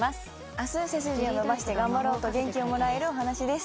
明日背筋を伸ばして頑張ろうと元気をもらえるお話です。